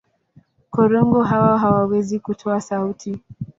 Korongo hawa hawawezi kutoa sauti.